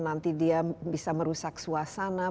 nanti dia bisa merusak suasana